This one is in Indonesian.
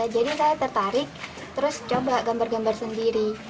jadi saya tertarik terus coba gambar gambar sendiri